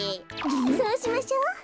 そうしましょう。